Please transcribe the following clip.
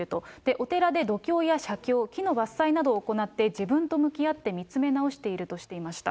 お寺で読経や写経、木の伐採などを行って自分と向き合って見つめ直しているとしていました。